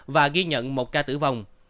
và ghi nhận một ca tử vong